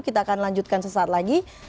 kita akan lanjutkan sesaat lagi